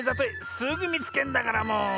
すぐみつけんだからもう。